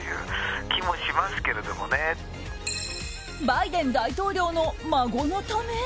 バイデン大統領の孫のため？